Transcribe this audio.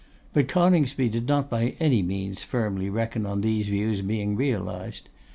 But Coningsby did not by any means firmly reckon on these views being realised.